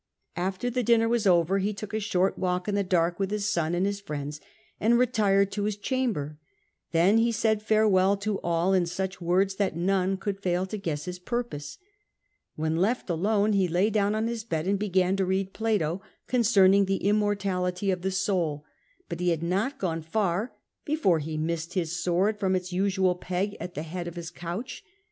After the dinner was over, he took a short walk in the dark with his son and his Mends, and retired to his chamber. Then he said farewell to all in such words that none could fail to guess his purpose. When left alone, he lay down on his bed and began to read Plato concerning the Immortality of the Soul ; but he had not gone far before he missed his sword from its usual neg at the head of his couch.